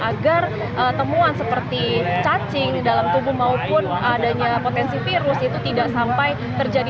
agar temuan seperti cacing dalam tubuh maupun adanya potensi virus itu tidak sampai terjadi